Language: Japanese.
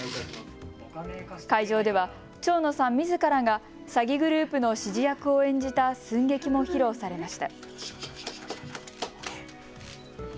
会場では蝶野さんみずからが詐欺グループの指示役を演じた寸劇も披露されました。